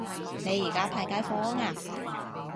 你而家派街坊呀